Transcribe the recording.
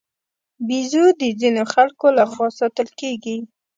بیزو د ځینو خلکو له خوا ساتل کېږي.